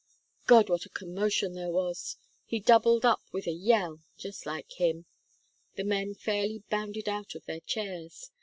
"God! what a commotion there was. He doubled up with a yell just like him. The men fairly bounded out of their chairs.